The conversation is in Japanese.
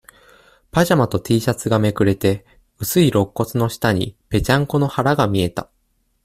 パジャマとティーシャツがめくれて、薄い肋骨の下に、ぺちゃんこの腹が見えた。